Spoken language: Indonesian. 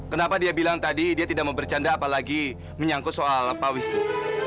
kenapa dia bilang tadi dia tidak mau bercanda apalagi menyangkut soal pak wisnu